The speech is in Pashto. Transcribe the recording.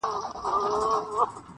ویل دا پنیر کارګه ته نه ښایيږي-